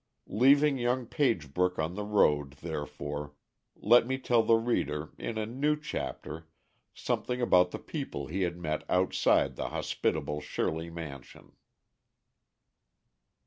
Leaving young Pagebrook on the road, therefore, let me tell the reader, in a new chapter, something about the people he had met outside the hospitable Shirley mansion.